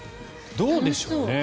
どうでしょうね。